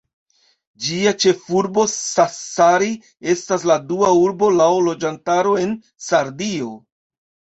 Ĝia ĉefurbo, Sassari, estas la dua urbo laŭ loĝantaro en Sardio.